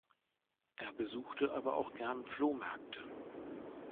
Er besuchte aber auch gern Flohmärkte.